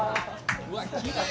うわきれい。